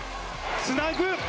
つなぐ。